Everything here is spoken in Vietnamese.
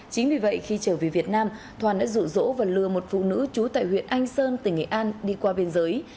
chính vì vậy khi trở về việt nam thoản đã rụ rỗ và lừa một phụ nữ trú tại huyện anh sơn tỉnh nghệ an đi qua biên giới